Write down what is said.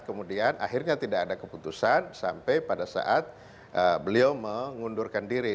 kemudian akhirnya tidak ada keputusan sampai pada saat beliau mengundurkan diri